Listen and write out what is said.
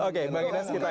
oke bang ines kita